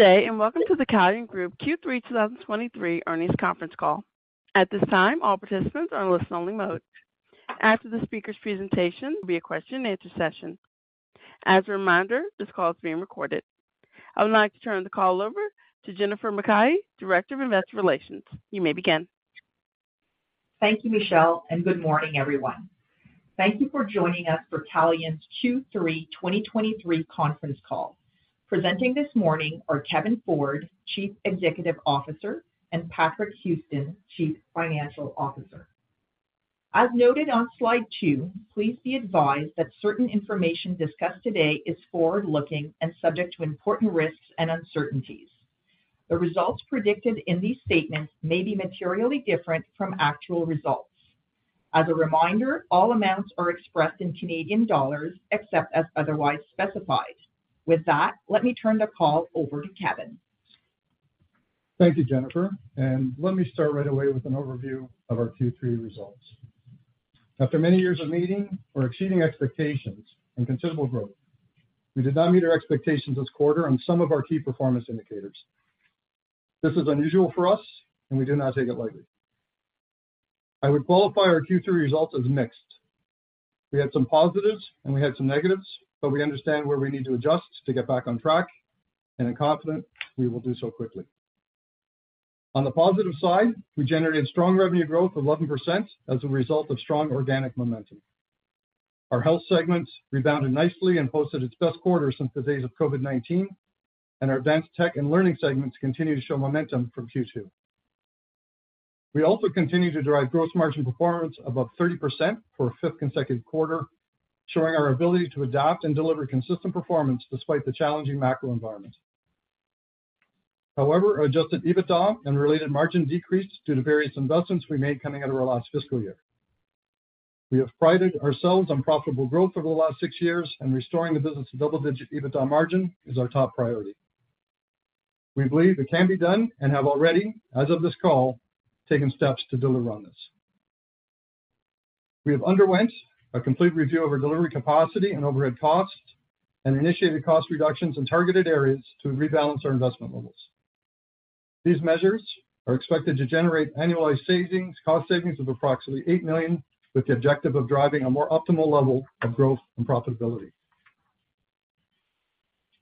Good day. Welcome to the Calian Group Q3 2023 Earnings Conference Call. At this time, all participants are in listen-only mode. After the speaker's presentation, there will be a question-and-answer session. As a reminder, this call is being recorded. I would like to turn the call over to Jennifer MacKay, Director of Investor Relations. You may begin. Thank you, Michelle. Good morning, everyone. Thank you for joining us for Calian's Q3 2023 conference call. Presenting this morning are Kevin Ford, Chief Executive Officer, and Patrick Houston, Chief Financial Officer. As noted on slide 2, please be advised that certain information discussed today is forward-looking and subject to important risks and uncertainties. The results predicted in these statements may be materially different from actual results. As a reminder, all amounts are expressed in Canadian dollars, except as otherwise specified. With that, let me turn the call over to Kevin. Thank you, Jennifer. Let me start right away with an overview of our Q3 results. After many years of meeting or exceeding expectations and considerable growth, we did not meet our expectations this quarter on some of our key performance indicators. This is unusual for us, and we do not take it lightly. I would qualify our Q3 results as mixed. We had some positives and we had some negatives, but we understand where we need to adjust to get back on track, and I'm confident we will do so quickly. On the positive side, we generated strong revenue growth of 11% as a result of strong organic momentum. Our health segments rebounded nicely and posted its best quarter since the days of COVID-19, and our Advanced Tech and learning segments continue to show momentum from Q2. We also continue to drive gross margin performance above 30% for a fifth consecutive quarter, showing our ability to adapt and deliver consistent performance despite the challenging macro environment. However, our adjusted EBITDA and related margin decreased due to various investments we made coming out of our last fiscal year. We have prided ourselves on profitable growth over the last six years, and restoring the business to double-digit EBITDA margin is our top priority. We believe it can be done and have already, as of this call, taken steps to deliver on this. We have underwent a complete review of our delivery capacity and overhead costs and initiated cost reductions in targeted areas to rebalance our investment levels. These measures are expected to generate annualized savings, cost savings of approximately 8 million, with the objective of driving a more optimal level of growth and profitability.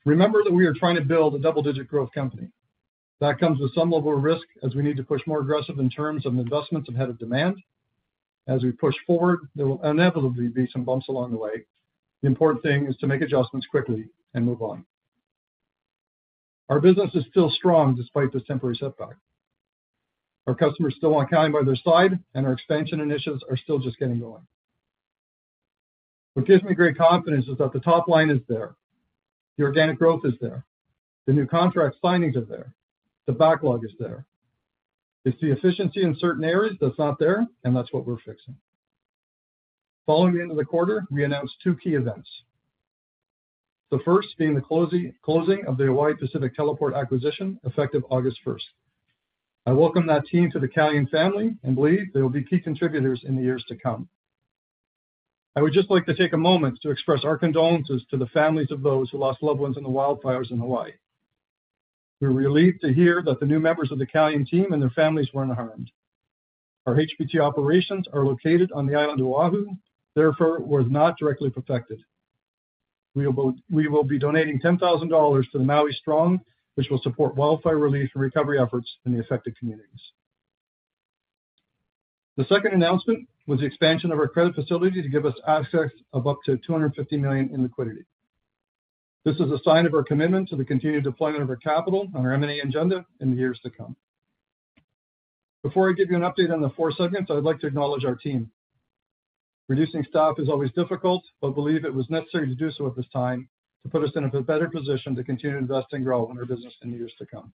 Remember that we are trying to build a double-digit growth company. That comes with some level of risk, as we need to push more aggressive in terms of investments ahead of demand. As we push forward, there will inevitably be some bumps along the way. The important thing is to make adjustments quickly and move on. Our business is still strong despite this temporary setback. Our customers still want Calian by their side, and our expansion initiatives are still just getting going. What gives me great confidence is that the top line is there, the organic growth is there, the new contract signings are there, the backlog is there. It's the efficiency in certain areas that's not there, and that's what we're fixing. Following the end of the quarter, we announced two key events. The first being the closing of the Hawaii Pacific Teleport acquisition, effective August first. I welcome that team to the Calian family and believe they will be key contributors in the years to come. I would just like to take a moment to express our condolences to the families of those who lost loved ones in the wildfires in Hawaii. We're relieved to hear that the new members of the Calian team and their families weren't harmed. Our HPT operations are located on the island of Oahu, therefore, was not directly affected. We will be donating 10,000 dollars to the Maui Strong Fund, which will support wildfire relief and recovery efforts in the affected communities. The second announcement was the expansion of our credit facility to give us access of up to 250 million in liquidity. This is a sign of our commitment to the continued deployment of our capital on our M&A agenda in the years to come. Before I give you an update on the four segments, I'd like to acknowledge our team. Reducing staff is always difficult, but believe it was necessary to do so at this time to put us in a better position to continue to invest and grow in our business in the years to come.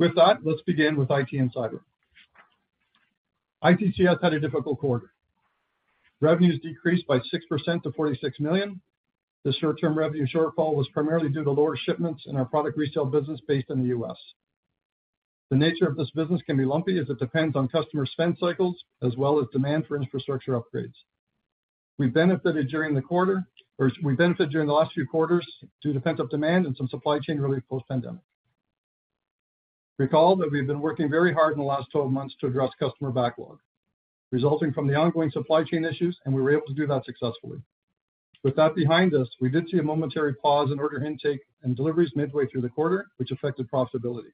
With that, let's begin with IT and Cyber. ITCS had a difficult quarter. Revenues decreased by 6% to 46 million. The short-term revenue shortfall was primarily due to lower shipments in our product resale business based in the US. The nature of this business can be lumpy, as it depends on customer spend cycles as well as demand for infrastructure upgrades. We benefited during the quarter, or we benefited during the last few quarters due to pent-up demand and some supply chain relief post-pandemic. Recall that we've been working very hard in the last 12 months to address customer backlog, resulting from the ongoing supply chain issues, and we were able to do that successfully. With that behind us, we did see a momentary pause in order intake and deliveries midway through the quarter, which affected profitability.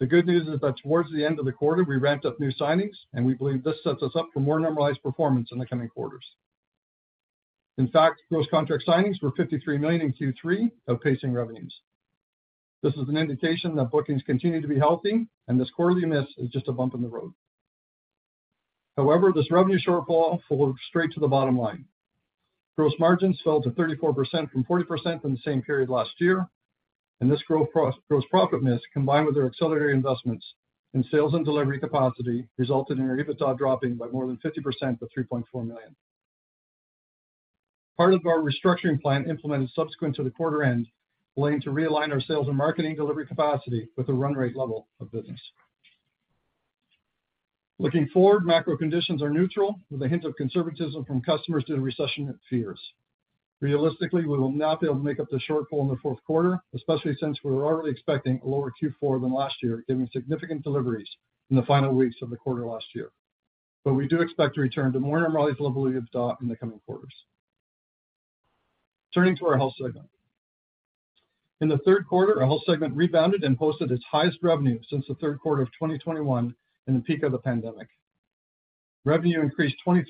The good news is that towards the end of the quarter, we ramped up new signings, and we believe this sets us up for more normalized performance in the coming quarters. In fact, gross contract signings were 53 million in Q3, outpacing revenues. This is an indication that bookings continue to be healthy and this quarterly miss is just a bump in the road. However, this revenue shortfall fell straight to the bottom line. Gross margins fell to 34% from 40% in the same period last year. This gross profit miss, combined with our accelerated investments in sales and delivery capacity, resulted in our EBITDA dropping by more than 50% to 3.4 million. Part of our restructuring plan implemented subsequent to the quarter end, willing to realign our sales and marketing delivery capacity with the run rate level of business. Looking forward, macro conditions are neutral, with a hint of conservatism from customers due to recession fears. Realistically, we will not be able to make up the shortfall in the fourth quarter, especially since we were already expecting a lower Q4 than last year, given significant deliveries in the final weeks of the quarter last year. We do expect to return to more normalized levels of DOT in the coming quarters. Turning to our health segment. In the third quarter, our health segment rebounded and posted its highest revenue since the third quarter of 2021 in the peak of the pandemic. Revenue increased 23%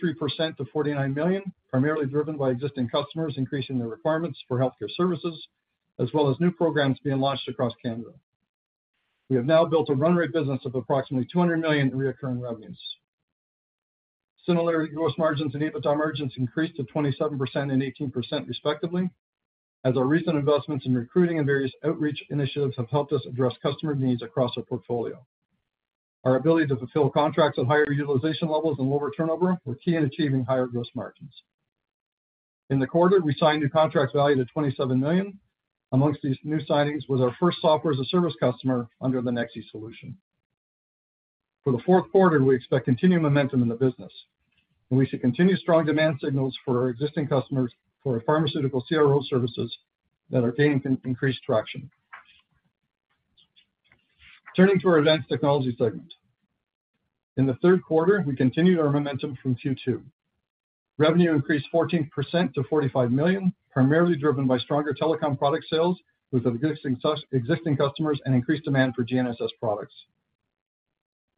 to $49 million, primarily driven by existing customers increasing their requirements for healthcare services, as well as new programs being launched across Canada. We have now built a run rate business of approximately $200 million in reoccurring revenues. Similarly, gross margins and EBITDA margins increased to 27% and 18% respectively, as our recent investments in recruiting and various outreach initiatives have helped us address customer needs across our portfolio. Our ability to fulfill contracts at higher utilization levels and lower turnover were key in achieving higher gross margins. In the quarter, we signed new contracts valued at $27 million. Amongst these new signings was our first software as a service customer under the Nexi solution. For the 4th quarter, we expect continued momentum in the business. We see continued strong demand signals for our existing customers for our pharmaceutical CRO services that are gaining increased traction. Turning to our Advanced Technology segment. In the 3rd quarter, we continued our momentum from Q2. Revenue increased 14% to 45 million, primarily driven by stronger telecom product sales with existing customers and increased demand for GNSS products.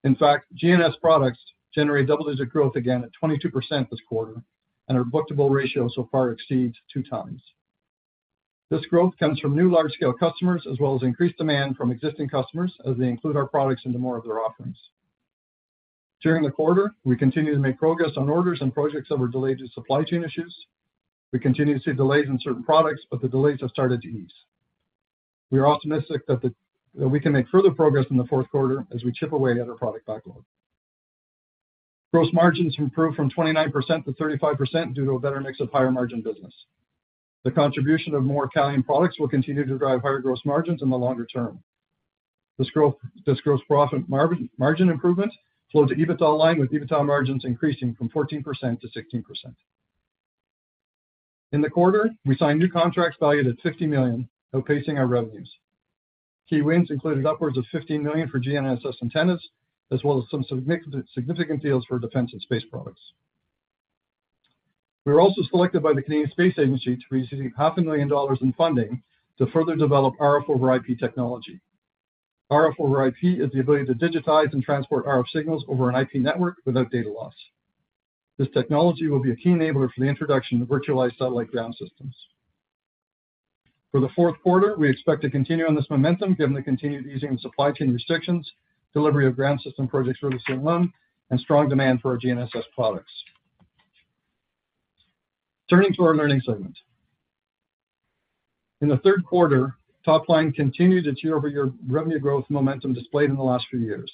In fact, GNSS products generate double-digit growth again at 22% this quarter. Our bookable ratio so far exceeds 2 times. This growth comes from new large-scale customers, as well as increased demand from existing customers as they include our products into more of their offerings. During the quarter, we continued to make progress on orders and projects that were delayed due to supply chain issues. We continue to see delays in certain products, but the delays have started to ease. We are optimistic that we can make further progress in the fourth quarter as we chip away at our product backlog. Gross margins improved from 29% to 35% due to a better mix of higher-margin business. The contribution of more Calian products will continue to drive higher gross margins in the longer term. This gross profit margin improvement flowed to EBITDA in line, with EBITDA margins increasing from 14% to 16%. In the quarter, we signed new contracts valued at $50 million, outpacing our revenues. Key wins included upwards of 15 million for GNSS antennas, as well as some significant, significant deals for defense and space products. We were also selected by the Canadian Space Agency to receive 500,000 dollars in funding to further develop RF over IP technology. RF over IP is the ability to digitize and transport RF signals over an IP network without data loss. This technology will be a key enabler for the introduction of virtualized satellite ground systems. For the fourth quarter, we expect to continue on this momentum, given the continued easing of supply chain restrictions, delivery of ground system projects for the CM1, and strong demand for our GNSS products. Turning to our learning segment. In the third quarter, top line continued its year-over-year revenue growth momentum displayed in the last few years.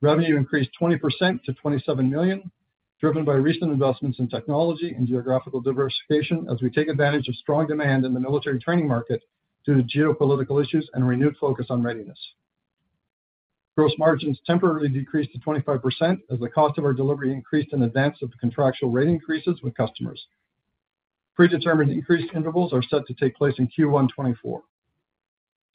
Revenue increased 20% to 27 million, driven by recent investments in technology and geographical diversification, as we take advantage of strong demand in the military training market due to geopolitical issues and renewed focus on readiness. Gross margins temporarily decreased to 25%, as the cost of our delivery increased in advance of the contractual rate increases with customers. Predetermined increase intervals are set to take place in Q1 2024.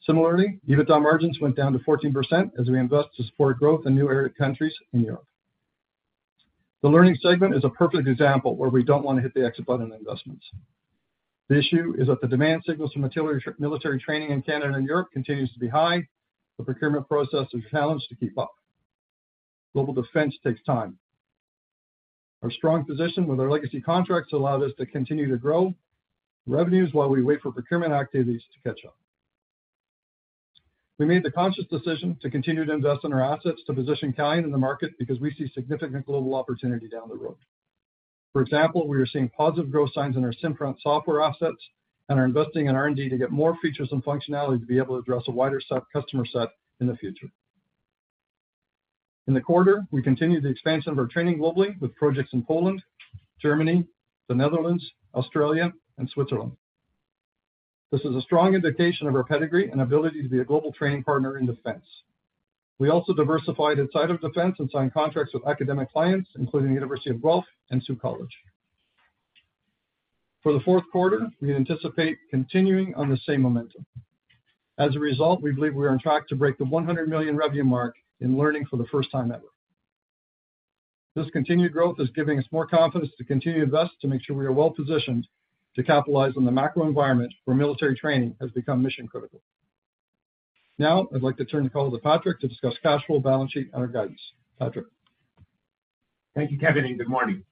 Similarly, EBITDA margins went down to 14% as we invest to support growth in new area- countries in Europe. The learning segment is a perfect example where we don't want to hit the exit button in investments. The issue is that the demand signals from military, military training in Canada and Europe continues to be high. The procurement process is challenged to keep up. Global defense takes time. Our strong position with our legacy contracts allowed us to continue to grow revenues while we wait for procurement activities to catch up. We made the conscious decision to continue to invest in our assets to position Calian in the market because we see significant global opportunity down the road. For example, we are seeing positive growth signs in our SimFront software assets and are investing in R&D to get more features and functionality to be able to address a wider customer set in the future. In the quarter, we continued the expansion of our training globally with projects in Poland, Germany, the Netherlands, Australia, and Switzerland. This is a strong indication of our pedigree and ability to be a global training partner in defense. We also diversified inside of defense and signed contracts with academic clients, including the University of Guelph and Sault College. For the fourth quarter, we anticipate continuing on the same momentum. As a result, we believe we are on track to break the 100 million revenue mark in learning for the first time ever. This continued growth is giving us more confidence to continue to invest, to make sure we are well-positioned to capitalize on the macro environment where military training has become mission-critical. Now, I'd like to turn the call to Patrick to discuss cash flow, balance sheet, and our guidance. Patrick? Thank you, Kevin. Good morning.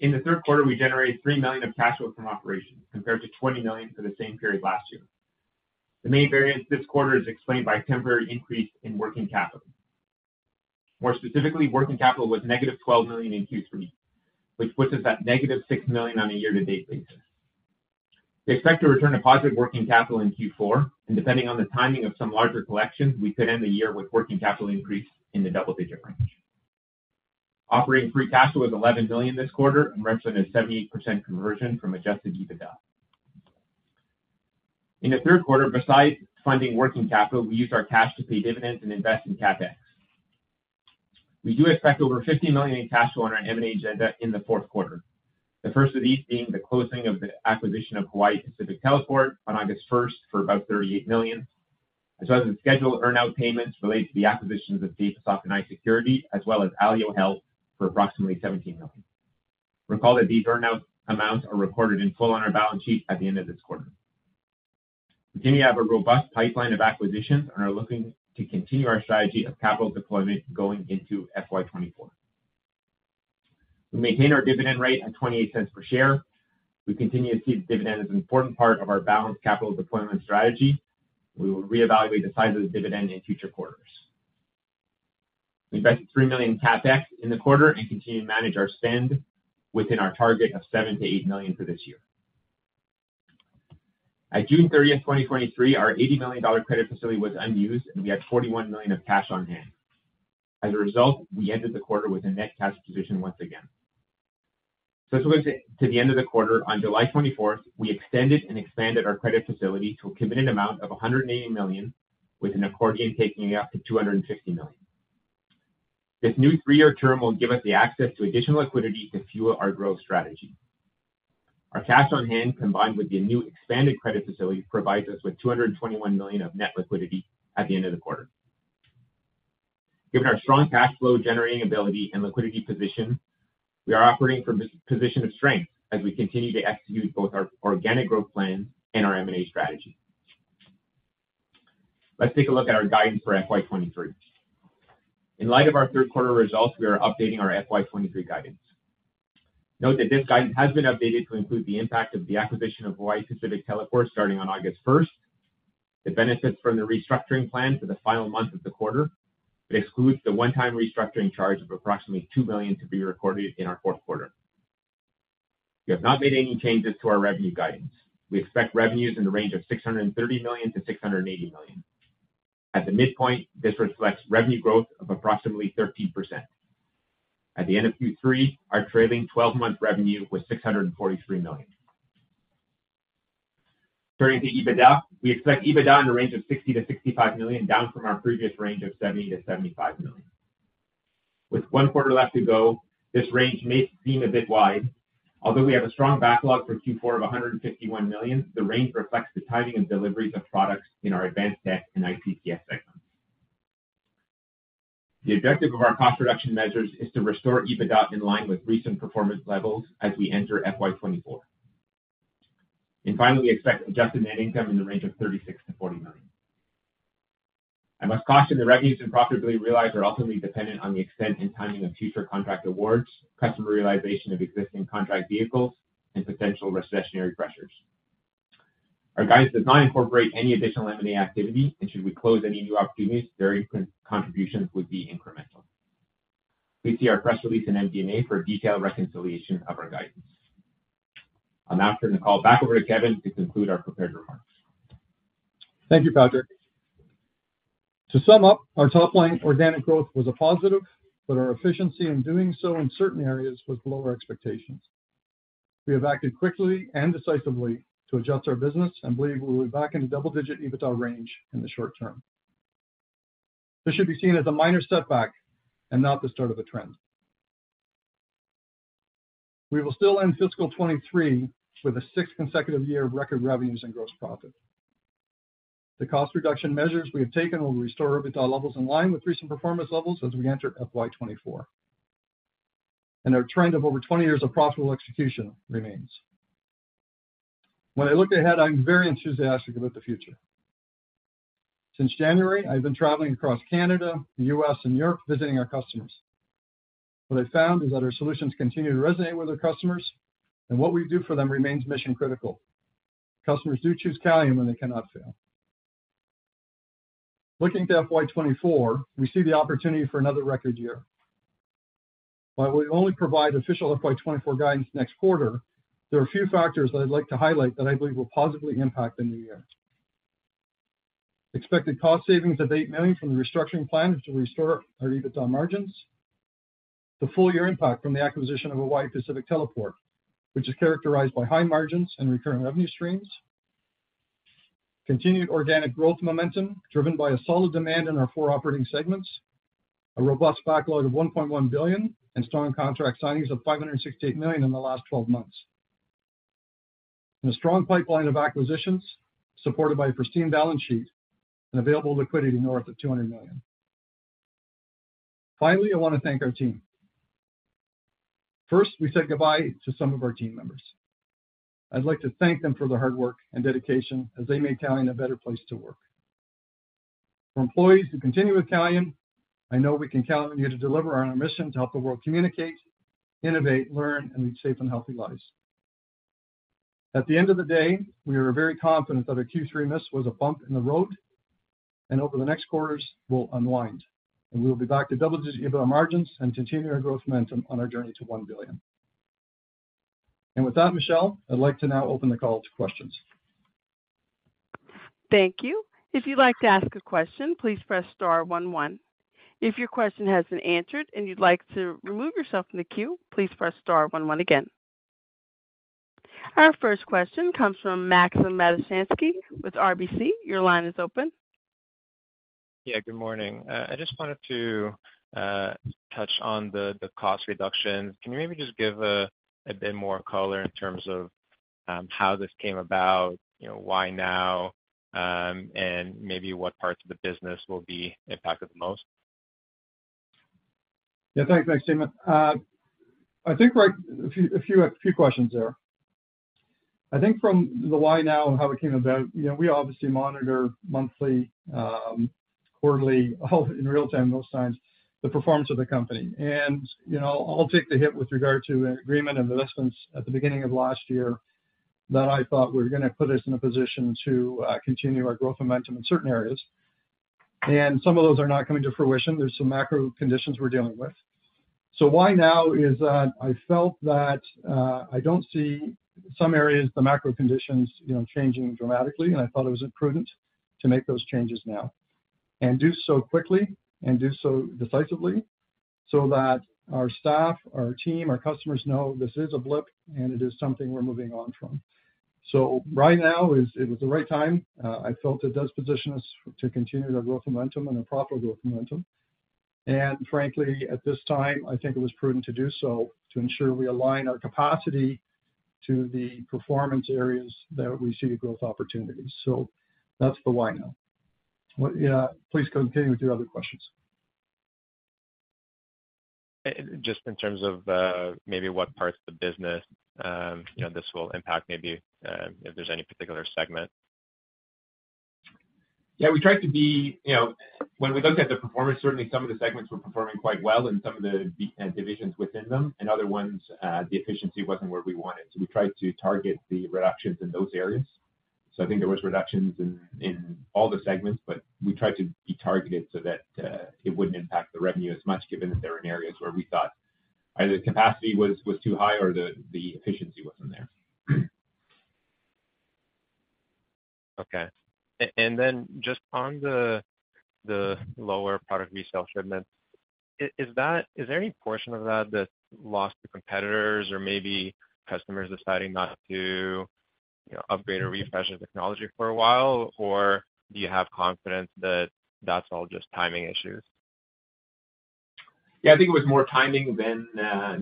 In the third quarter, we generated 3 million of cash flow from operations compared to 20 million for the same period last year. The main variance this quarter is explained by a temporary increase in working capital. More specifically, working capital was negative 12 million in Q3, which puts us at negative 6 million on a year-to-date basis. We expect to return to positive working capital in Q4, and depending on the timing of some larger collections, we could end the year with working capital increase in the double-digit range. Operating free cash flow is 11 million this quarter and represents a 78% conversion from adjusted EBITDA. In the third quarter, besides funding working capital, we used our cash to pay dividends and invest in CapEx. We do expect over 50 million in cash flow on our M&A agenda in the fourth quarter. The first of these being the closing of the acquisition of Hawaii Pacific Teleport on August 1st for about $38 million, as well as the scheduled earn-out payments related to the acquisitions of Datasoft and iSecurity, as well as Alio Health, for approximately $17 million. Recall that these earn-out amounts are recorded in full on our balance sheet at the end of this quarter. We continue to have a robust pipeline of acquisitions and are looking to continue our strategy of capital deployment going into FY24. We maintain our dividend rate at $0.28 per share. We continue to see the dividend as an important part of our balanced capital deployment strategy. We will reevaluate the size of the dividend in future quarters. We invested $3 million CapEx in the quarter and continue to manage our spend within our target of $7 million-$8 million for this year. At June 30, 2023, our 80 million dollar credit facility was unused, and we had 41 million of cash on hand. As a result, we ended the quarter with a net cash position once again. To the end of the quarter, on July 24, we extended and expanded our credit facility to a committed amount of 180 million, with an accordion taking it up to 250 million. This new 3-year term will give us the access to additional liquidity to fuel our growth strategy. Our cash on hand, combined with the new expanded credit facility, provides us with 221 million of net liquidity at the end of the quarter. Given our strong cash flow generating ability and liquidity position, we are operating from this position of strength as we continue to execute both our organic growth plan and our M&A strategy. Let's take a look at our guidance for FY23. In light of our third quarter results, we are updating our FY23 guidance. Note that this guidance has been updated to include the impact of the acquisition of Hawaii Pacific Teleport starting on August 1st. The benefits from the restructuring plan for the final month of the quarter, it excludes the one-time restructuring charge of approximately 2 million to be recorded in our fourth quarter. We have not made any changes to our revenue guidance. We expect revenues in the range of 630 million-680 million. At the midpoint, this reflects revenue growth of approximately 13%. At the end of Q3, our trailing twelve-month revenue was 643 million. Turning to EBITDA, we expect EBITDA in the range of 60 million-65 million, down from our previous range of 70 million-75 million. With one quarter left to go, this range may seem a bit wide. Although we have a strong backlog for Q4 of 151 million, the range reflects the timing and deliveries of products in our Advanced Tech and ITCS segments. The objective of our cost reduction measures is to restore EBITDA in line with recent performance levels as we enter FY24. Finally, we expect adjusted net income in the range of 36 million-40 million. I must caution the revenues and profitability realized are ultimately dependent on the extent and timing of future contract awards, customer realization of existing contract vehicles, and potential recessionary pressures. Our guidance does not incorporate any additional M&A activity, and should we close any new opportunities, their contributions would be incremental. Please see our press release in MD&A for a detailed reconciliation of our guidance. I'm now going to call back over to Kevin to conclude our prepared remarks. Thank you, Patrick. To sum up, our top-line organic growth was a positive, but our efficiency in doing so in certain areas was below our expectations. We have acted quickly and decisively to adjust our business and believe we will be back in the double-digit EBITDA range in the short term. This should be seen as a minor setback and not the start of a trend. We will still end fiscal 2023 with a sixth consecutive year of record revenues and gross profit. The cost reduction measures we have taken will restore EBITDA levels in line with recent performance levels as we enter FY24, and our trend of over 20 years of profitable execution remains. When I look ahead, I'm very enthusiastic about the future. Since January, I've been traveling across Canada, the U.S., and Europe, visiting our customers. What I found is that our solutions continue to resonate with our customers, and what we do for them remains mission-critical. Customers do choose Calian when they cannot fail. Looking to FY24, we see the opportunity for another record year. While we only provide official FY24 guidance next quarter, there are a few factors that I'd like to highlight that I believe will positively impact the new year. Expected cost savings of 8 million from the restructuring plan to restore our EBITDA margins. The full year impact from the acquisition of Hawaii Pacific Teleport, which is characterized by high margins and recurring revenue streams. Continued organic growth momentum, driven by a solid demand in our four operating segments, a robust backlog of 1.1 billion, and strong contract signings of 568 million in the last 12 months. A strong pipeline of acquisitions, supported by a pristine balance sheet and available liquidity north of 200 million. Finally, I want to thank our team. First, we said goodbye to some of our team members. I'd like to thank them for their hard work and dedication as they made Calian a better place to work. For employees who continue with Calian, I know we can count on you to deliver on our mission to help the world communicate, innovate, learn, and lead safe and healthy lives. At the end of the day, we are very confident that our Q3 miss was a bump in the road, and over the next quarters, we'll unwind, and we will be back to double-digit EBITDA margins and continue our growth momentum on our journey to 1 billion. With that, Michelle, I'd like to now open the call to questions. Thank you. If you'd like to ask a question, please press star one, one. If your question hasn't been answered and you'd like to remove yourself from the queue, please press star one one again. Our first question comes from Maxim Matysianski with RBC. Your line is open. Yeah, good morning. I just wanted to touch on the cost reduction. Can you maybe just give a bit more color in terms of how this came about, you know, why now? Maybe what parts of the business will be impacted the most? Yeah, thanks, Maxim. I think, right, a few, a few questions there. I think from the why now and how it came about, you know, we obviously monitor monthly, quarterly, all in real time, most times, the performance of the company. You know, I'll take the hit with regard to an agreement, investments at the beginning of last year, that I thought were gonna put us in a position to continue our growth momentum in certain areas. Some of those are not coming to fruition. There's some macro conditions we're dealing with. Why now is that I felt that I don't see some areas, the macro conditions, you know, changing dramatically, and I thought it was imprudent to make those changes now. Do so quickly and do so decisively so that our staff, our team, our customers know this is a blip and it is something we're moving on from. Right now, it was the right time. I felt it does position us to continue to grow momentum and a proper growth momentum. Frankly, at this time, I think it was prudent to do so, to ensure we align our capacity to the performance areas that we see growth opportunities. That's the why now. What, yeah, please continue with your other questions. Just in terms of, maybe what parts of the business, you know, this will impact, maybe, if there's any particular segment? Yeah, we tried to be, you know, when we looked at the performance, certainly some of the segments were performing quite well in some of the divisions within them, and other ones, the efficiency wasn't where we wanted. We tried to target the reductions in those areas. I think there was reductions in, in all the segments, but we tried to be targeted so that it wouldn't impact the revenue as much, given that there were areas where we thought either the capacity was, was too high or the, the efficiency wasn't there. Okay. Then just on the, the lower product resale shipments, is there any portion of that, that lost to competitors or maybe customers deciding not to, you know, upgrade or refresh their technology for a while? Do you have confidence that that's all just timing issues? Yeah, I think it was more timing than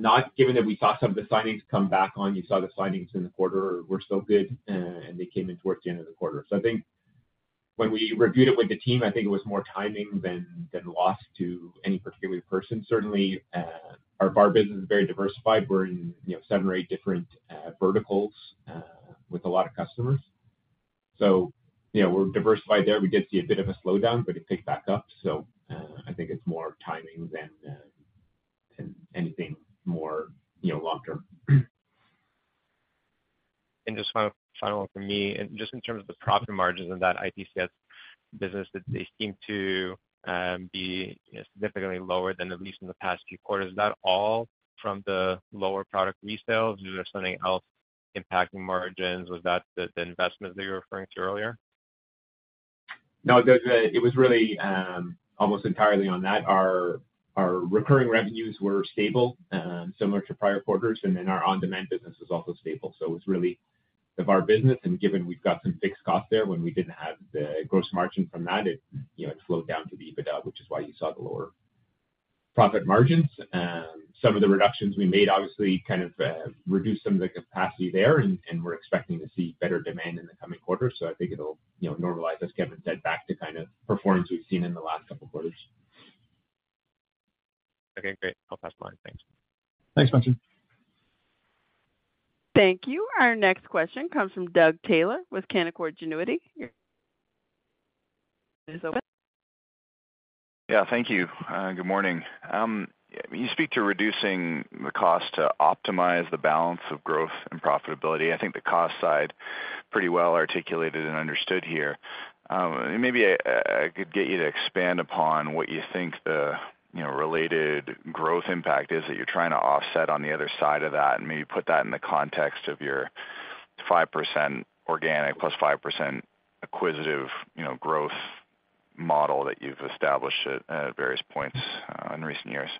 not given that we saw some of the signings come back on. You saw the signings in the quarter were still good, and they came in towards the end of the quarter. I think when we reviewed it with the team, I think it was more timing than, than lost to any particular person. Certainly, our VAR business is very diversified. We're in, you know, 7 or 8 different verticals, with a lot of customers. You know, we're diversified there. We did see a bit of a slowdown, but it picked back up. I think it's more timing than anything more, you know, long term. Just final, final one for me, and just in terms of the profit margins in that ITCS business, that they seem to be, you know, significantly lower than at least in the past few quarters. Is that all from the lower product resales, or is there something else impacting margins? Was that the, the investment that you were referring to earlier? No, it does, it was really, almost entirely on that. Our recurring revenues were stable, similar to prior quarters, and then our on-demand business was also stable. It was really the VAR business, and given we've got some fixed costs there, when we didn't have the gross margin from that, it, you know, it flowed down to the EBITDA, which is why you saw the lower profit margins. Some of the reductions we made obviously kind of, reduced some of the capacity there, and we're expecting to see better demand in the coming quarters. I think it'll, you know, normalize, as Kevin said, back to kind of performance we've seen in the last couple quarters. Okay, great. I'll pass the line. Thanks. Thanks, Maxim. Thank you. Our next question comes from Doug Taylor with Canaccord Genuity. Your line is open. Yeah, thank you. Good morning. You speak to reducing the cost to optimize the balance of growth and profitability. I think the cost side pretty well articulated and understood here. Maybe I could get you to expand upon what you think the, you know, related growth impact is that you're trying to offset on the other side of that, and maybe put that in the context of your 5% organic plus 5% acquisitive, you know, growth model that you've established at various points in recent years?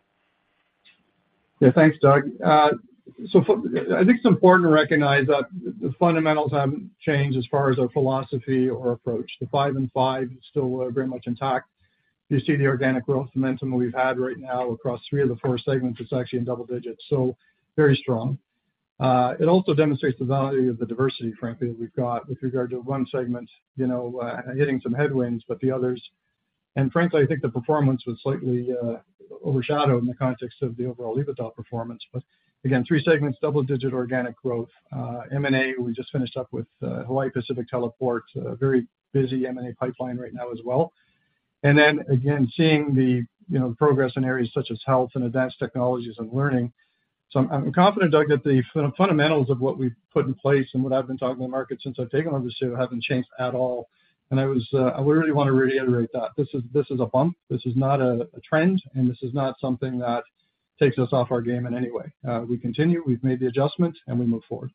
Yeah. Thanks, Doug. I think it's important to recognize that the fundamentals haven't changed as far as our philosophy or approach. The 5 and 5 is still very much intact. You see the organic growth momentum we've had right now across 3 of the 4 segments is actually in double digits, very strong. It also demonstrates the value of the diversity, frankly, that we've got with regard to one segment, you know, hitting some headwinds, but the others... Frankly, I think the performance was slightly overshadowed in the context of the overall EBITDA performance. Again, 3 segments, double digit organic growth. M&A, we just finished up with Hawaii Pacific Teleport, very busy M&A pipeline right now as well. Again, seeing the, you know, progress in areas such as health and advanced technologies and learning. I'm, I'm confident, Doug, that the fundamentals of what we've put in place and what I've been talking to the market since I've taken on this too, haven't changed at all. I was, I really want to reiterate that this is, this is a bump, this is not a trend, and this is not something that takes us off our game in any way. We continue, we've made the adjustment, and we move forward.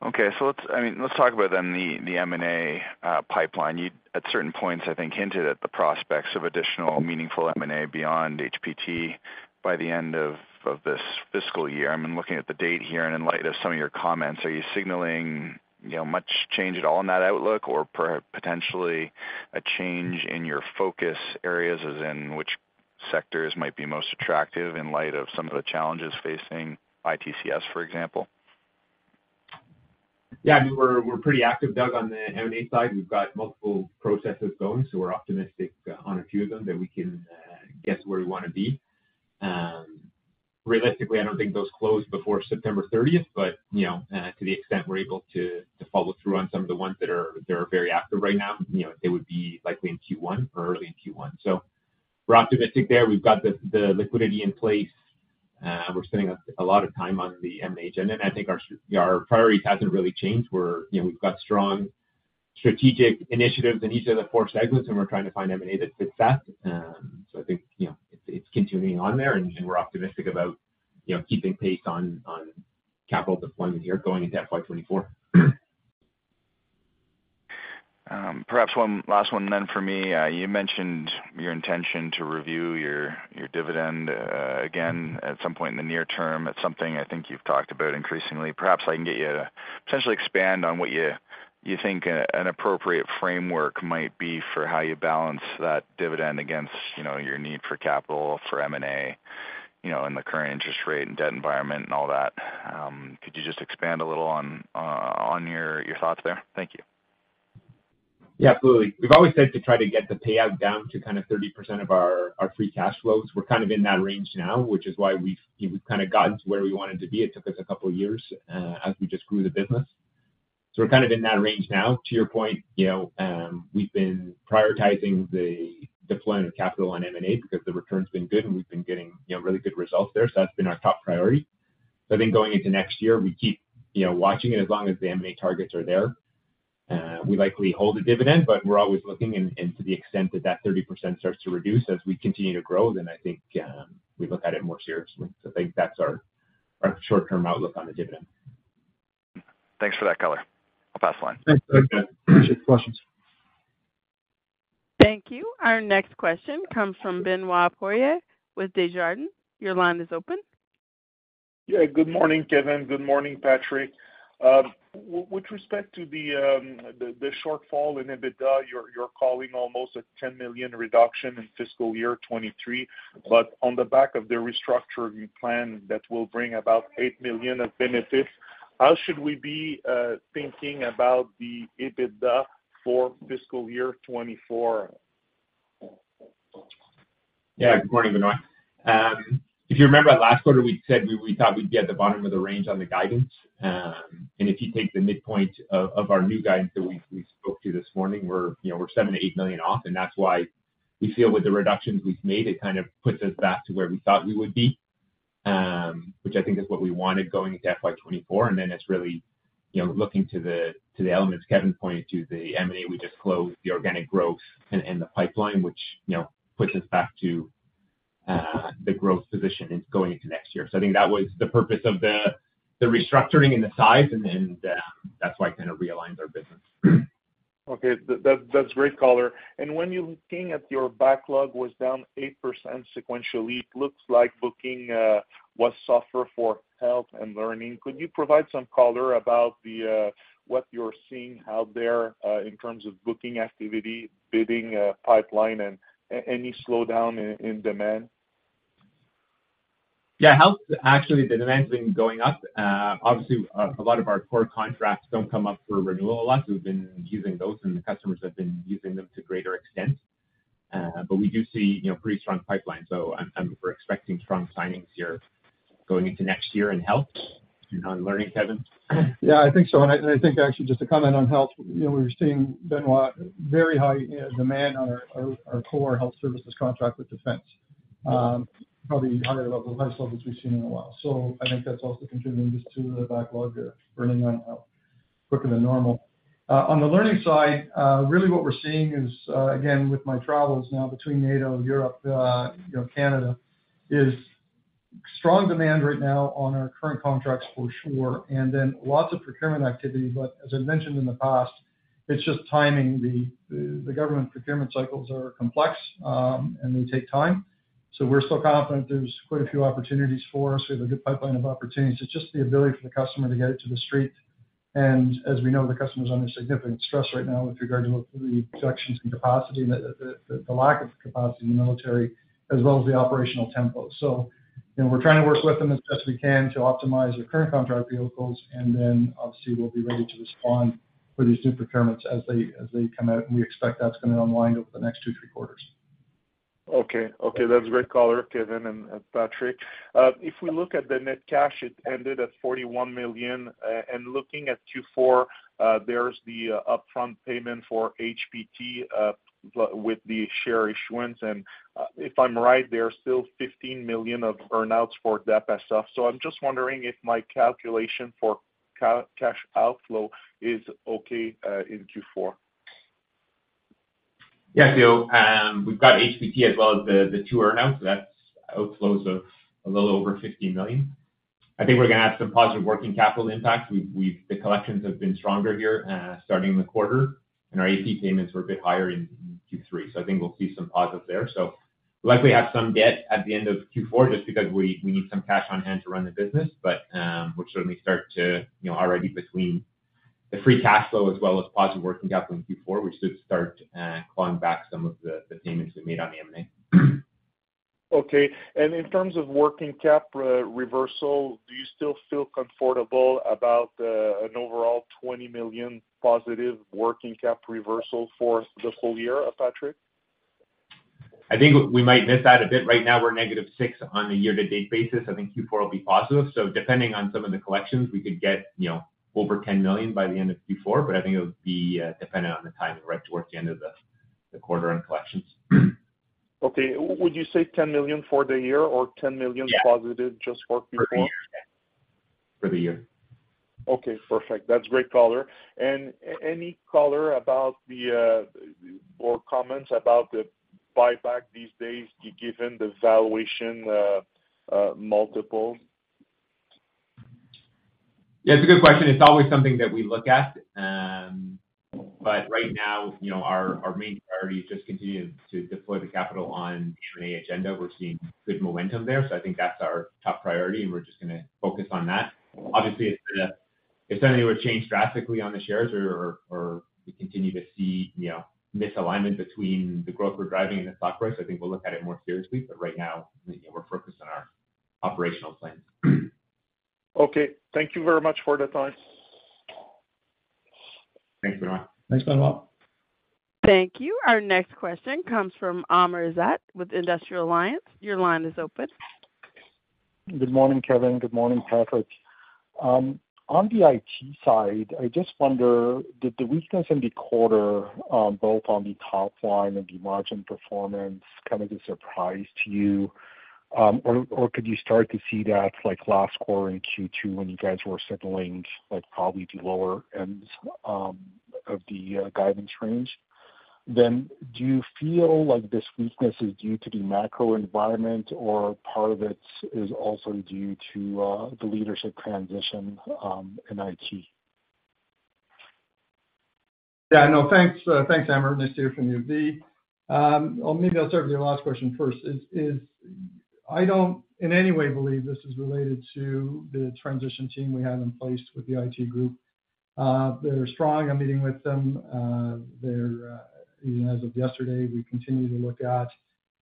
Okay, let's, I mean, let's talk about then the, the M&A pipeline. You, at certain points, I think, hinted at the prospects of additional meaningful M&A beyond HPT by the end of, of this fiscal year. I mean, looking at the date here and in light of some of your comments, are you signaling, you know, much change at all in that outlook or potentially a change in your focus areas, as in which sectors might be most attractive in light of some of the challenges facing ITCS, for example? Yeah, I mean, we're, we're pretty active, Doug, on the M&A side. We've got multiple processes going, so we're optimistic on a few of them that we can get to where we wanna be. Realistically, I don't think those close before September 30th, but, you know, to the extent we're able to, to follow through on some of the ones that are, that are very active right now, you know, they would be likely in Q1 or early in Q1. We're optimistic there. We've got the, the liquidity in place, we're spending a, a lot of time on the M&A. I think our, our priorities hasn't really changed. We're, you know, we've got strong strategic initiatives in each of the four segments, and we're trying to find M&A that fits that. I think, you know, it's, it's continuing on there, and, and we're optimistic about, you know, keeping pace on, on capital deployment here going into FY 2024. Perhaps one last one then for me. You mentioned your intention to review your, your dividend, again, at some point in the near term. It's something I think you've talked about increasingly. Perhaps I can get you to potentially expand on what you, you think an appropriate framework might be for how you balance that dividend against, you know, your need for capital for M&A, you know, in the current interest rate and debt environment and all that. Could you just expand a little on, on your, your thoughts there? Thank you. Yeah, absolutely. We've always said to try to get the payout down to kind of 30% of our, our free cash flows. We're kind of in that range now, which is why we've, we've kind of gotten to where we wanted to be. It took us a couple of years as we just grew the business. We're kind of in that range now. To your point, you know, we've been prioritizing the deployment of capital on M&A because the return's been good, and we've been getting, you know, really good results there. That's been our top priority. I think going into next year, we keep, you know, watching it as long as the M&A targets are there. We likely hold the dividend, but we're always looking and, and to the extent that that 30% starts to reduce as we continue to grow, then I think, we look at it more seriously. I think that's our, our short-term outlook on the dividend. Thanks for that color. I'll pass the line. Thanks. Appreciate the questions. Thank you. Our next question comes from Benoit Poirier with Desjardins. Your line is open. Yeah. Good morning, Kevin. Good morning, Patrick. With respect to the, the, the shortfall in EBITDA, you're, you're calling almost a $10 million reduction in fiscal year 2023, but on the back of the restructuring plan, that will bring about $8 million of benefits. How should we be thinking about the EBITDA for fiscal year 2024? Yeah. Good morning, Benoit. If you remember last quarter, we said we, we thought we'd be at the bottom of the range on the guidance. If you take the midpoint of, of our new guidance that we, we spoke to this morning, we're, you know, we're 7 million-8 million off, and that's why we feel with the reductions we've made, it kind of puts us back to where we thought we would be, which I think is what we wanted going into FY24. Then it's really, you know, looking to the, to the elements Kevin pointed to, the M&A, we just closed the organic growth and, and the pipeline, which, you know, puts us back to the growth position it's going into next year. I think that was the purpose of the, the restructuring and the size, and then, that's why it kind of realigns our business. Okay, that's, that's great color. When you're looking at your backlog was down 8% sequentially, it looks like booking was softer for health and learning. Could you provide some color about the what you're seeing out there in terms of booking activity, bidding, pipeline and any slowdown in demand? Yeah, health, actually, the demand's been going up. Obviously, a lot of our core contracts don't come up for renewal a lot. We've been using those, and the customers have been using them to a greater extent. We do see, you know, pretty strong pipeline, so I'm expecting strong signings here going into next year in health and on learning. Kevin? Yeah, I think so. I, I think actually just to comment on health, you know, we're seeing, Benoit, very high demand on our, our, our core health services contract with Defense, probably higher level high level than we've seen in a while. I think that's also contributing just to the backlog burning on quicker than normal. On the learning side, really what we're seeing is again, with my travels now between NATO, Europe, you know, Canada, is strong demand right now on our current contracts for sure, and then lots of procurement activity. As I mentioned in the past, it's just timing. The government procurement cycles are complex, and they take time. We're still confident there's quite a few opportunities for us. We have a good pipeline of opportunities. It's just the ability for the customer to get it to the street. As we know, the customer's under significant stress right now with regard to the reductions in capacity and the lack of capacity in the military, as well as the operational tempo. You know, we're trying to work with them as best we can to optimize their current contract vehicles, and then obviously, we'll be ready to respond for these new procurements as they come out, and we expect that's gonna unwind over the next 2, 3 quarters. Okay. Okay, that's great color, Kevin and Patrick. If we look at the net cash, it ended at 41 million. Looking at Q4, there's the upfront payment for HPT with the share issuance, and if I'm right, there are still 15 million of earn-outs for that itself. I'm just wondering if my calculation for cash outflow is okay, in Q4? Yeah, we've got HPT as well as the two earn-outs. That's outflows of a little over $50 million. I think we're gonna have some positive working capital impact. We've The collections have been stronger here, starting the quarter, and our AP payments were a bit higher in Q3, so I think we'll see some positives there. We'll likely have some debt at the end of Q4, just because we need some cash on hand to run the business. We'll certainly start to, you know, already between the free cash flow as well as positive working capital in Q4, we should start clawing back some of the payments we made on the M&A. Okay. In terms of working cap reversal, do you still feel comfortable about an overall 20 million positive working cap reversal for the whole year, Patrick? I think we might miss that a bit. Right now, we're -6 on a year-to-date basis. I think Q4 will be positive. Depending on some of the collections, we could get, you know, over $10 million by the end of Q4. I think it would be dependent on the timing, right towards the end of the quarter on collections. Okay. Would you say 10 million for the year or 10 million-? Yeah positive just for Q4? For the year. For the year. Okay, perfect. That's great color. Any color about the or comments about the buyback these days, given the valuation multiple? Yeah, it's a good question. It's always something that we look at. Right now, you know, our, our main priority is just continue to deploy the capital on the Trinity agenda. We're seeing good momentum there, so I think that's our top priority, and we're just gonna focus on that. Obviously, if the, if anything were to change drastically on the shares or, or, or we continue to see, you know, misalignment between the growth we're driving and the stock price, I think we'll look at it more seriously. Right now, you know, we're focused on our operational plans. Okay. Thank you very much for the time. Thanks, Benoit. Thanks, Benoit. Thank you. Our next question comes from Amr Ezzat with Industrial Alliance. Your line is open. Good morning, Kevin. Good morning, Patrick. On the IT side, I just wonder, did the weakness in the quarter, both on the top line and the margin performance, come as a surprise to you? Or, or could you start to see that, like, last quarter in Q2, when you guys were settling, like, probably the lower ends of the guidance range? Do you feel like this weakness is due to the macro environment, or part of it is also due to the leadership transition, in IT? Yeah, no, thanks, thanks, Amr. Nice to hear from you. Or maybe I'll start with your last question first. I don't in any way believe this is related to the transition team we have in place with the IT group. They're strong. I'm meeting with them. They're, as of yesterday, we continue to look at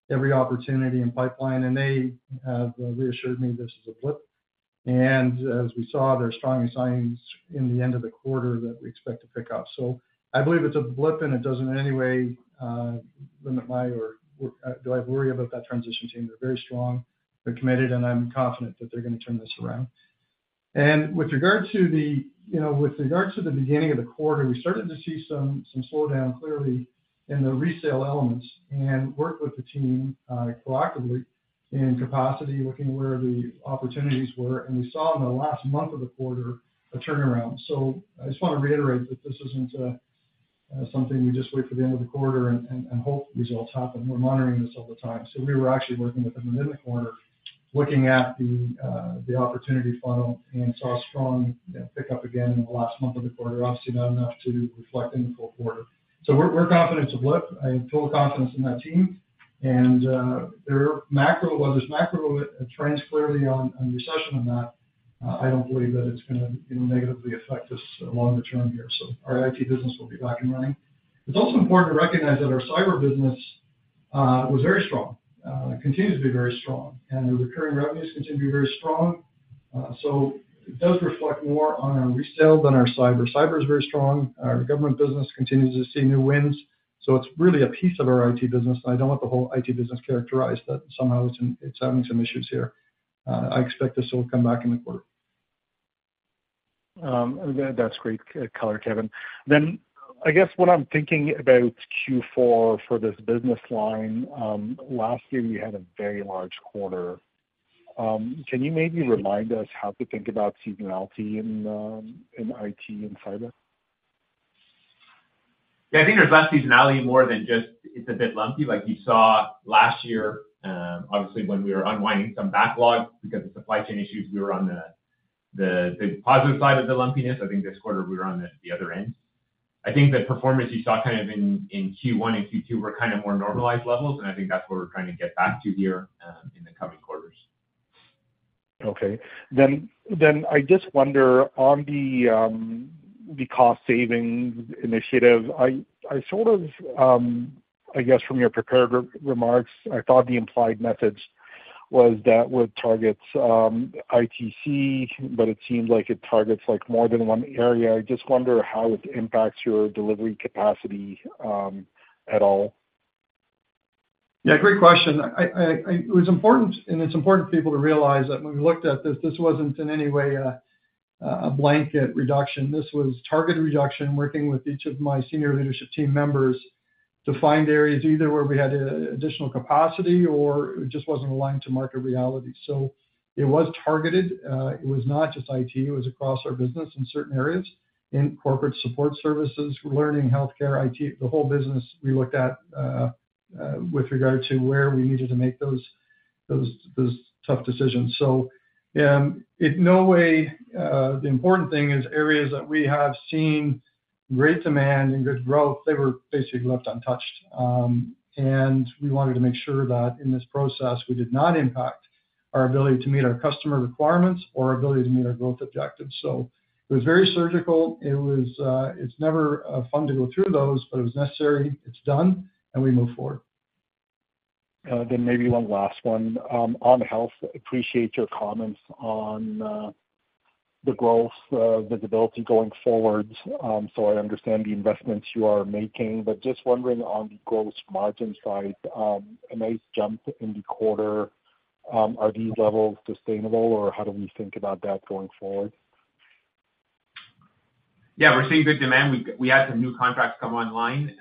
every opportunity in pipeline, and they have reassured me this is a blip. As we saw, there are strong signs in the end of the quarter that we expect to pick up. I believe it's a blip, and it doesn't in any way, limit my or, do I have worry about that transition team. They're very strong, they're committed, and I'm confident that they're gonna turn this around. With regard to the, you know, with regards to the beginning of the quarter, we started to see some, some slowdown clearly in the resale elements and worked with the team proactively in capacity, looking where the opportunities were. We saw in the last month of the quarter a turnaround. I just want to reiterate that this isn't something we just wait for the end of the quarter and, and, and hope these results happen. We're monitoring this all the time. We were actually working with them in the quarter, looking at the opportunity funnel, and saw a strong pick up again in the last month of the quarter, obviously not enough to reflect in the full quarter. We're, we're confident it's a blip. I have full confidence in that team. Their macro, while this macro trends clearly on, on recession and that, I don't believe that it's gonna, you know, negatively affect us along the term here. Our IT business will be back and running. It's also important to recognize that our cyber business was very strong and continues to be very strong, and the recurring revenues continue to be very strong. It does reflect more on our resale than our cyber. Cyber is very strong. Our government business continues to see new wins, it's really a piece of our IT business. I don't want the whole IT business characterized, somehow it's, it's having some issues here. I expect this will come back in the quarter. That's great color, Kevin. I guess what I'm thinking about Q4 for this business line, last year we had a very large quarter. Can you maybe remind us how to think about seasonality in IT and cyber? Yeah, I think there's less seasonality more than just it's a bit lumpy like you saw last year. Obviously, when we were unwinding some backlog because of supply chain issues, we were on the positive side of the lumpiness. I think this quarter we were on the other end. I think the performance you saw kind of in Q1 and Q2 were kind of more normalized levels, and I think that's where we're trying to get back to here in the coming quarters. Okay. Then I just wonder on the cost savings initiative, I sort of, I guess from your prepared remarks, I thought the implied methods was that would target ITC, it seems like it targets like more than one area. I just wonder how it impacts your delivery capacity at all. Yeah, great question. I It was important, and it's important for people to realize that when we looked at this, this wasn't in any way a blanket reduction. This was targeted reduction, working with each of my senior leadership team members to find areas either where we had additional capacity or it just wasn't aligned to market reality. It was targeted. It was not just IT, it was across our business in certain areas, in corporate support services, learning, healthcare, IT, the whole business we looked at, with regard to where we needed to make those, those tough decisions. It no way, the important thing is areas that we have seen great demand and good growth, they were basically left untouched. We wanted to make sure that in this process, we did not impact our ability to meet our customer requirements or our ability to meet our growth objectives. It was very surgical. It was, it's never fun to go through those, but it was necessary. It's done, and we move forward. Maybe one last one. On health, appreciate your comments on the growth visibility going forward. I understand the investments you are making, but just wondering on the growth margin side, a nice jump in the quarter. Are these levels sustainable, or how do we think about that going forward? Yeah, we're seeing good demand. We had some new contracts come online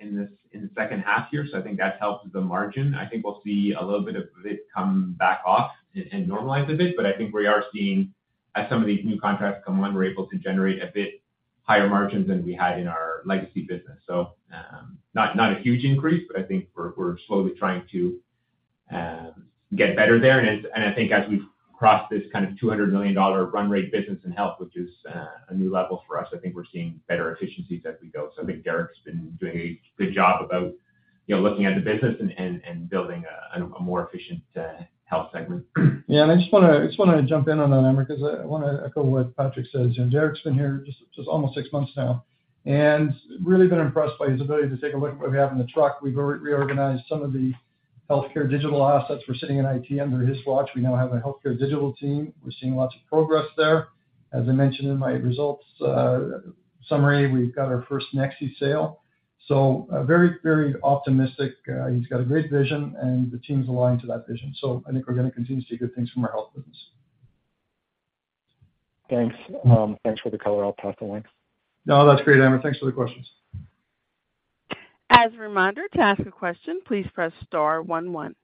in this, in the second half year, so I think that's helped the margin. I think we'll see a little bit of it come back off and, and normalize a bit, but I think we are seeing as some of these new contracts come on, we're able to generate a bit higher margins than we had in our legacy business. Not, not a huge increase, but I think we're, we're slowly trying to get better there. I think as we've crossed this kind of 200 million dollar run rate business in health, which is a new level for us, I think we're seeing better efficiencies as we go. I think Derek's been doing a good job about, you know, looking at the business and building a more efficient, health segment. Yeah, I just wanna, I just wanna jump in on that, Amr, because I wanna echo what Patrick says. Derek's been here just, just almost six months now, and really been impressed by his ability to take a look at what we have in the truck. We've reorganized some of the healthcare digital assets for sitting in IT under his watch. We now have a healthcare digital team. We're seeing lots of progress there. As I mentioned in my results summary, we've got our first Nexi sale. Very, very optimistic. He's got a great vision, and the team's aligned to that vision. I think we're gonna continue to see good things from our health business. Thanks. Thanks for the color. I'll pass the line. No, that's great, Amr. Thanks for the questions. As a reminder, to ask a question, please press star one, one.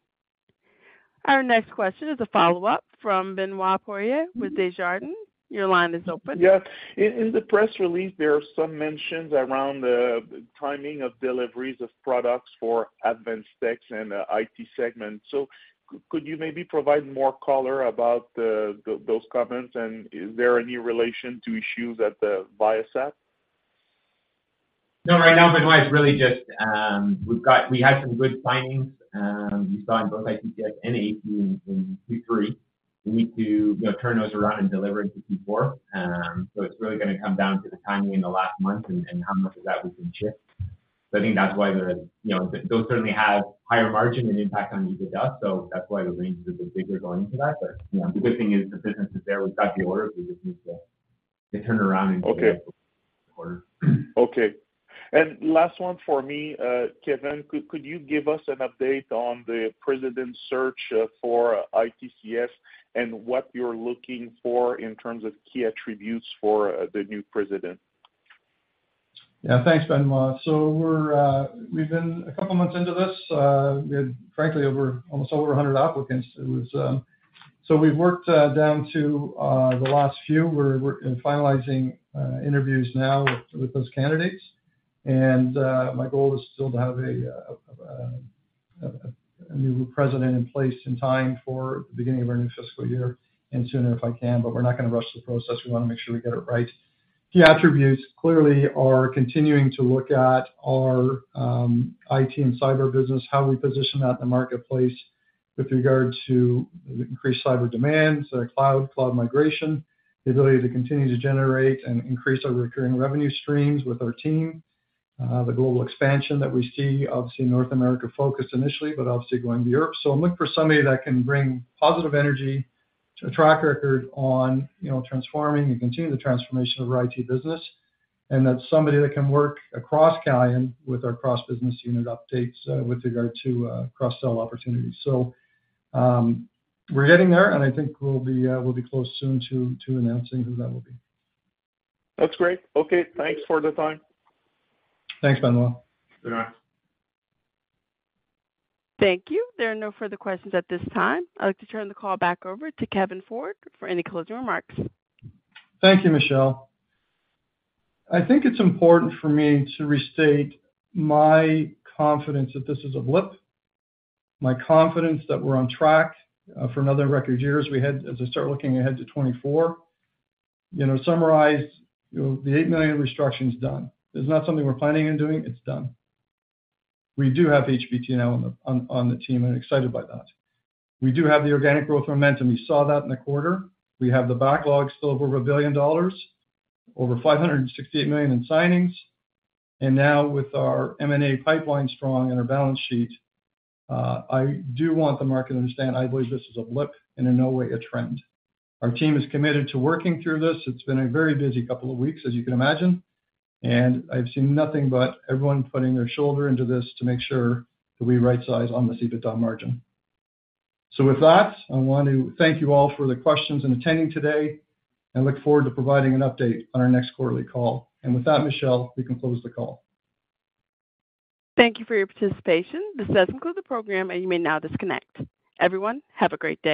Our next question is a follow-up from Benoit Poirier with Desjardins. Your line is open. Yes. In, in the press release, there are some mentions around the timing of deliveries of products for Advanced Tech and IT segments. Could you maybe provide more color about those comments? Is there any relation to issues at the Viasat? No, right now, Benoit, it's really just, we had some good signings, we saw in both ITCS and AT in Q3. We need to, you know, turn those around and deliver in Q4. It's really gonna come down to the timing in the last month and, and how much of that we can shift. I think that's why there, you know, those certainly have higher margin and impact on EBITDA, that's why the range is a bit bigger going into that. You know, the good thing is the business is there. We've got the orders, we just need to, to turn around. Okay. Order. Okay. Last one for me, Kevin. Could you give us an update on the president search for ITCS and what you're looking for in terms of key attributes for the new president? Yeah, thanks, Benoit. We're, we've been a couple of months into this, we had, frankly, over, almost over 100 applicants. It was. We've worked down to the last few. We're, we're finalizing interviews now with, with those candidates. My goal is still to have a, a, a new president in place in time for the beginning of our new fiscal year and sooner if I can. We're not gonna rush the process. We wanna make sure we get it right. Key attributes clearly are continuing to look at our IT and Cyber business, how we position that in the marketplace with regard to increased cyber demands, cloud, cloud migration, the ability to continue to generate and increase our recurring revenue streams with our team, the global expansion that we see, obviously North America focused initially, but obviously going to Europe. I'm looking for somebody that can bring positive energy, a track record on you know, transforming and continuing the transformation of our IT Business, and that's somebody that can work across Calian with our cross-business unit updates, with regard to cross-sell opportunities. We're getting there, and I think we'll be close soon to announcing who that will be. That's great. Okay, thanks for the time. Thanks, Benoit. Yeah. Thank you. There are no further questions at this time. I'd like to turn the call back over to Kevin Ford for any closing remarks. Thank you, Michelle. I think it's important for me to restate my confidence that this is a blip, my confidence that we're on track for another record year, as I start looking ahead to 2024. You know, summarize, you know, the $8 million restructuring is done. It's not something we're planning on doing, it's done. We do have HBT now on the team, I'm excited by that. We do have the organic growth momentum, we saw that in the quarter. We have the backlog still over $1 billion, over $568 million in signings, and now with our M&A pipeline strong and our balance sheet, I do want the market to understand, I believe this is a blip and in no way a trend. Our team is committed to working through this. It's been a very busy couple of weeks, as you can imagine, and I've seen nothing but everyone putting their shoulder into this to make sure that we rightsize on the EBITDA margin. With that, I want to thank you all for the questions and attending today, and look forward to providing an update on our next quarterly call. With that, Michelle, we can close the call. Thank you for your participation. This does conclude the program. You may now disconnect. Everyone, have a great day.